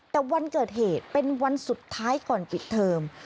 แต่วันเกิดเหตุเป็นวันสุดท้ายก่อนปิดเทอม